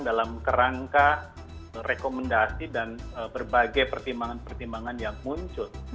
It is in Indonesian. dalam kerangka rekomendasi dan berbagai pertimbangan pertimbangan yang muncul